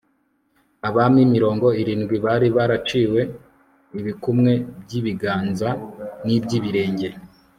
abami mirongo irindwi bari baraciwe ibikumwe by'ibiganza n'iby'ibirenge